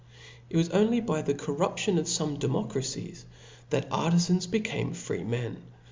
It was only by the corruption of fome democracies that aTtifans became freemen.